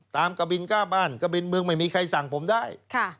กระบินก้าบ้านกะบินเมืองไม่มีใครสั่งผมได้